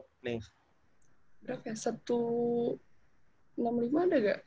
berapa ya satu ratus enam puluh lima ada gak